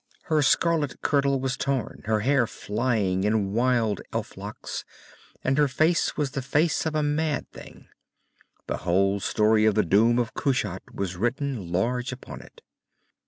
Her scarlet kirtle was torn, her hair flying in wild elf locks, and her face was the face of a mad thing. The whole story of the doom of Kushat was written large upon it.